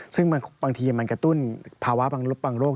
ซึ่งบางทีมันกระตุ้นภาวะบางโรค